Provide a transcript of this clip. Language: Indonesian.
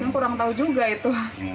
kurang tahu juga itu